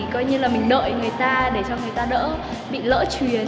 coi như là mình đợi người ta để cho người ta đỡ bị lỡ chuyến